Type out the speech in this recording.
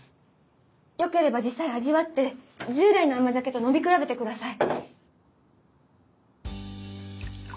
よければ実際味わって従来の甘酒と飲み比べてください。